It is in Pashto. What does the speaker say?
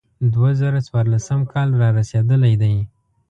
دوه زره څوارلسم کال را رسېدلی دی.